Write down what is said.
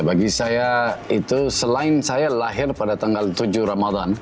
bagi saya itu selain saya lahir pada tanggal tujuh ramadan